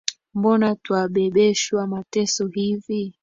Mbona twabebeshwa mateso hivi